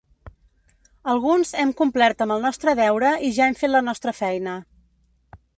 Alguns hem complert amb el nostre deure i ja hem fet la nostra feina.